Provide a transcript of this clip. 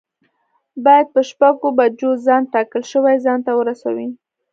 باید په شپږو بجو ځان ټاکل شوي ځای ته ورسوی.